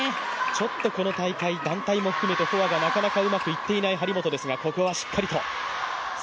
ちょっとこの大会団体も含めてフォアがなかなかうまくいっていない張本ですが、ここはしっかりと。